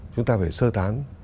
chúng ta phải sơ tán